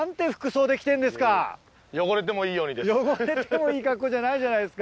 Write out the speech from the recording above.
汚れてもいい格好じゃないじゃないですか！